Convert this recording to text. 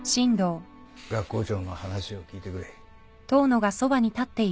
学校長の話を聞いてくれ。